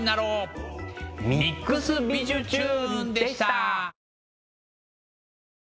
「ＭＩＸびじゅチューン！」でした。